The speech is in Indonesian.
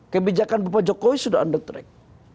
kebijakan bupak jokowi sudah under track